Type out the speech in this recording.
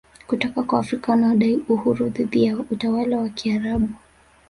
kutoka kwa Waafrika wanaodai uhuru dhidi ya utawala wa Kiarabu